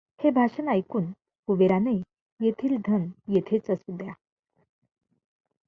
हें भाषण ऐकून कुबेरानें येथील धन येथेंच असूं द्या.